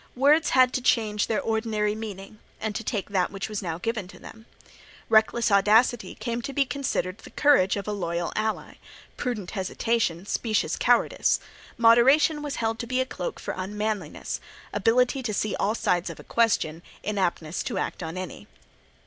Words had to change their ordinary meaning and to take that which was now given them. Reckless audacity came to be considered the courage of a loyal ally; prudent hesitation, specious cowardice; moderation was held to be a cloak for unmanliness; ability to see all sides of a question, inaptness to act on any.